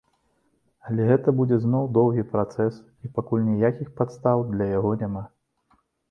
Але гэта будзе зноў доўгі працэс і пакуль ніякіх падставаў для яго няма.